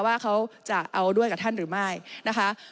ว่าเขาจะเอาด้วยกับท่านหรือไม่นะคะ